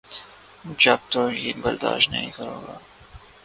میں توہین برداشت نہیں کروں گا۔